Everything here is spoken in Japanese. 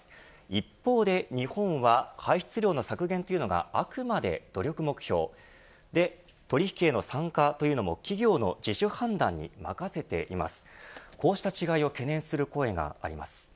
一方で日本は排出量の削減というのがあくまで努力目標。取引への参加というのも企業の自主判断に任せています。